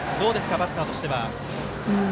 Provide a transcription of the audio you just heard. バッターとしては。